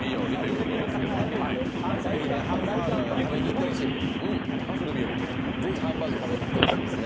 ぜひね、ハンバーグ食べに行ってほしいですね。